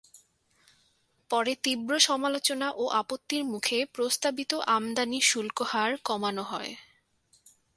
পরে তীব্র সমালোচনা ও আপত্তির মুখে প্রস্তাবিত আমদানি শুল্কহার কমানো হয়।